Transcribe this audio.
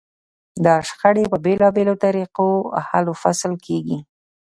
دا شخړې په بېلابېلو طریقو حل و فصل کېږي.